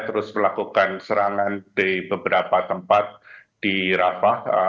terus melakukan serangan di beberapa tempat di rafah